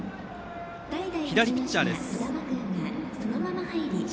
左ピッチャーです。